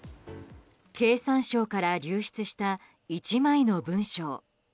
経産省から流出した１枚の文書。